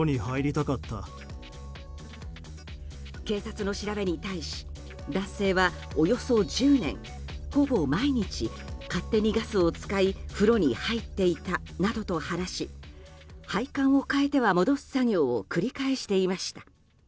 警察の調べに対し男性は、およそ１０年ほぼ毎日勝手にガスを使い風呂に入っていたなどと話し配管を変えては戻す作業を繰り返していました。